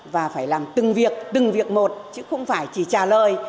và phải làm từng việc từng việc một chứ không phải chỉ trả lời